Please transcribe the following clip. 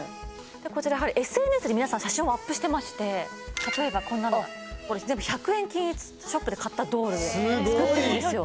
こちらやはりＳＮＳに皆さん写真をアップしてまして例えばこんなのがこれ全部１００円均一ショップで買ったドールで作ってるんですよ